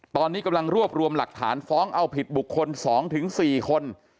ตอนนี้กำลังรวบรวมหลักฐานฟ้องเอาผิดบุคคล๒๔คน